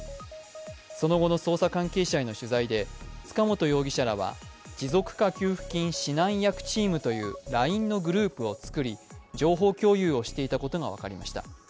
その後の捜査関係者への取材で塚本容疑者らは持続化給付金指南役チームというＬＩＮＥのグループを作り情報共有をしていたことが分かりました。